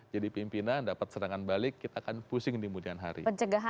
jadi pimpinan dapat serangan balik kita akan pusing di kemudian hari